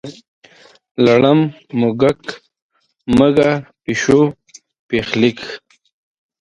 لړم، موږک، مږه، پیشو، پیښلیک.